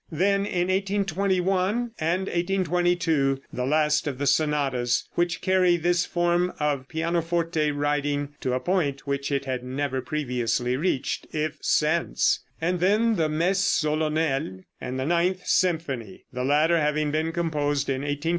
Then in 1821 and 1822 the last of the sonatas, which carry this form of pianoforte writing to a point which it had never previously reached, if since; and then the "Messe Solennelle," and the ninth symphony, the latter having been composed in 1822 1823.